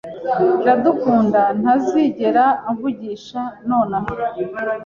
Iradukunda ntazigera anvugisha nonaha.